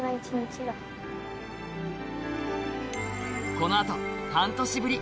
この後半年ぶり